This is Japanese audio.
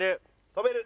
跳べる。